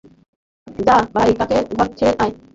যা ভাই, তাকে ঘর ছেড়ে আয়।